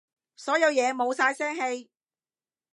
所有嘢冇晒聲氣